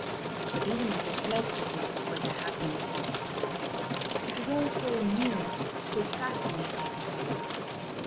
But even the perplexity was a happiness. It was all so new, so fascinating.